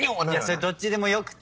それどっちでもよくて。